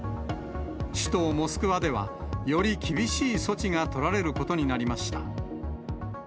首都モスクワでは、より厳しい措置が取られることになりました。